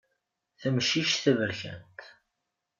Tamcict taberkant.